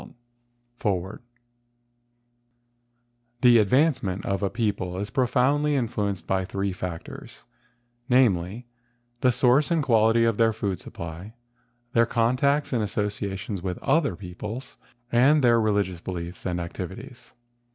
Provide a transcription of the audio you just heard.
24O / FOREWORD The advancement of a people is profoundly influenced by three factors, namely: the source and quality of their food supply; their contacts and associations with other peoples; and their religious beliefs and activities.